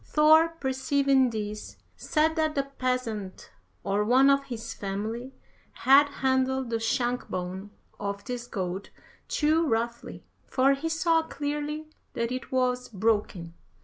Thor perceiving this, said that the peasant, or one of his family, had handled the shank bone of this goat too roughly, for he saw clearly that it was broken.